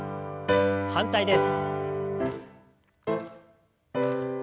反対です。